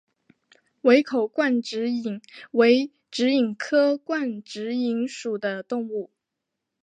围口冠蛭蚓为蛭蚓科冠蛭蚓属的动物。